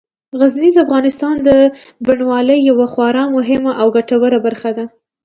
غزني د افغانستان د بڼوالۍ یوه خورا مهمه او ګټوره برخه ده.